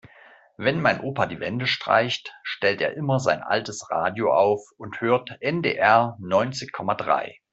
Wenn mein Opa die Wände streicht, stellt er immer sein altes Radio auf und hört NDR neunzig Komma drei.